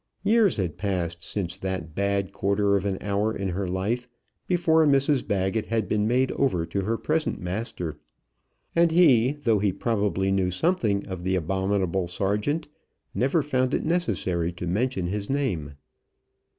Years had passed since that bad quarter of an hour in her life, before Mrs Baggett had been made over to her present master. And he, though he probably knew something of the abominable Sergeant, never found it necessary to mention his name.